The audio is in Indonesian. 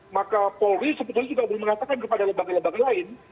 maka polri sebetulnya juga belum mengatakan kepada lembaga lembaga lain